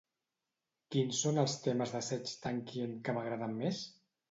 Quins són els temes de Serj Tankian que m'agraden més?